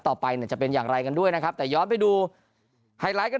ต่อไปเนี่ยจะเป็นอย่างไรกันด้วยนะครับแต่ย้อนไปดูไฮไลท์กัน